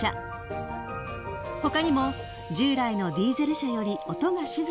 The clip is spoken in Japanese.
［他にも従来のディーゼル車より音が静かな］